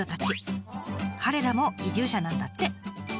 彼らも移住者なんだって。